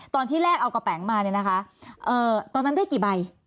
ตอนแรกเอากระแป๋งมาเนี่ยนะคะตอนนั้นได้กี่ใบ